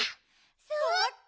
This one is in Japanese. そっか！